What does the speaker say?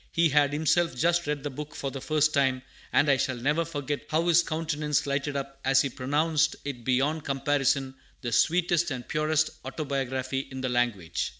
He had himself just read the book for the first time, and I shall never forget how his countenance lighted up as he pronounced it beyond comparison the sweetest and purest autobiography in the language.